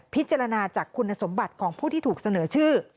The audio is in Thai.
พิจารณาจากคุณสมบัติของผู้ที่ถูกเสนอชื่อ